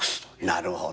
なるほど。